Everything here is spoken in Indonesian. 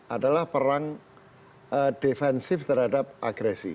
adalah perang defensif terhadap agresi